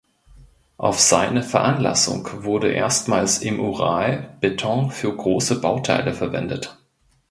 Auf seine Veranlassung wurde erstmals im Ural Beton für große Bauteile verwendet.